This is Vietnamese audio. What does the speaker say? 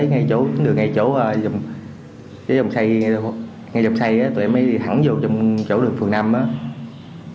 ngay lúc xây tụi em mới đi thẳng vô trong chỗ đường phường năm